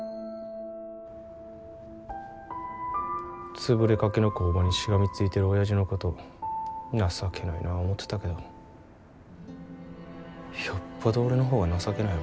潰れかけの工場にしがみついてるおやじのこと情けないなぁ思てたけどよっぽど俺の方が情けないわ。